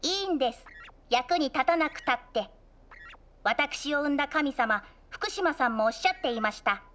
私を生んだ神様福島さんもおっしゃっていました。